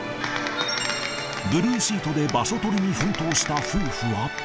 ブルーシートで場所取りに奮闘した夫婦は。